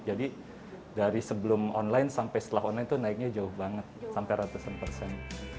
jadi dari sebelum online sampai setelah online itu naiknya jauh banget sampai ratusan persen